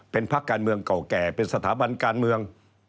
เป็นพักการเมืองเก่าแก่เป็นสถาบันการเมือง